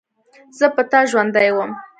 زه په تا ژوندۍ وم.